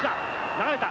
流れた！